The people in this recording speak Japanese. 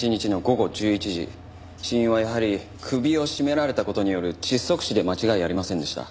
死因はやはり首を絞められた事による窒息死で間違いありませんでした。